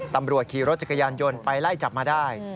ตำรวจขี่รถจักรยานยนต์ไปไล่จับมาได้